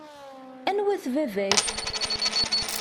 Anwa-t baba-k?